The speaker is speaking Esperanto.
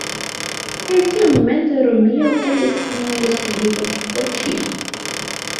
Kaj tiumomente Romio perdis sian Respublikon por ĉiam.